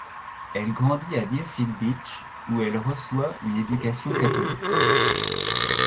Elle grandit à Deerfield Beach où elle reçoit une éducation catholique.